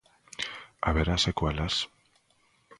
Haberá secuelas?